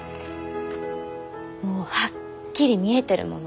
もうはっきり見えてるもの。